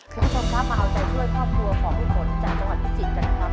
คุณผู้ชมครับมาเอาใจช่วยครอบครัวของพี่ฝนจากจังหวัดพิจิตรกันนะครับ